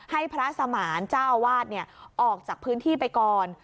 ให้พระสมานเจ้าวาดออกจากพื้นที่ไปก่อน